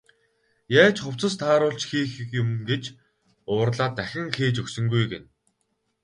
Яаж хувцас тааруулж хийх юм гэж уурлаад дахин хийж өгсөнгүй гэнэ.